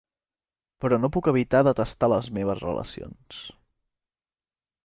Però no puc evitar detestar les meves relacions.